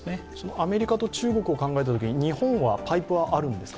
アメリカと中国を考えたときに、日本はパイプはあるんですか？